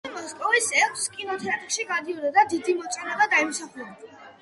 ფილმი მოსკოვის ექვს კინოთეატრში გადიოდა და დიდი მოწონება დაიმსახურა.